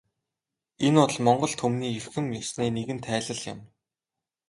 Энэ бол монгол түмний эрхэм ёсны нэгэн тайлал юм.